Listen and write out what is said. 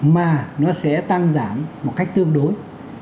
mà nó sẽ tăng giảm một cách tương đối